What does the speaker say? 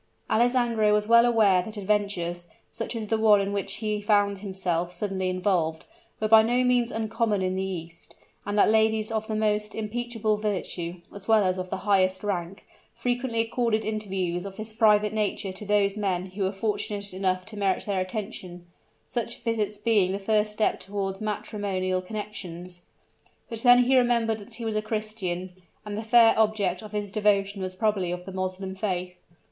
Alessandro was well aware that adventures, such as the one in which he found himself suddenly involved, were by no means uncommon in the East; and that ladies of the most unimpeachable virtue, as well as of the highest rank, frequently accorded interviews of this private nature to those men who were fortunate enough to merit their attention such visits being the first step toward matrimonial connections. But then he remembered that he was a Christian, and the fair object of his devotion was probably of the Moslem faith.